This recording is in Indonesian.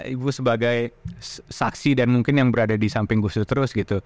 ibu sebagai saksi dan mungkin yang berada di samping gusdur terus